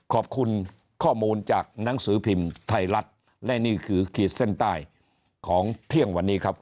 ขอบคุณข้อมูลจากหนังสือพิมพ์ไทยรัฐและนี่คือขีดเส้นใต้ของเที่ยงวันนี้ครับ